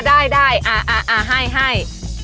อ่ะได้อ่ะให้